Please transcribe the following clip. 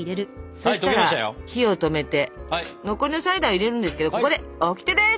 そしたら火を止めて残りのサイダー入れるんですけどここでオキテです！